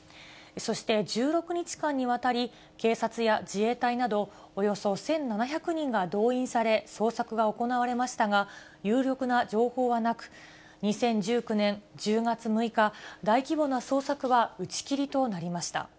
そして１６日間にわたり、警察や自衛隊など、およそ１７００人が動員され、捜索が行われましたが、有力な情報はなく、２０１９年１０月６日、大規模な捜索は打ち切りとなりました。